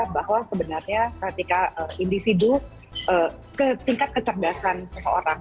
bahwa sebenarnya ketika individu tingkat kecerdasan seseorang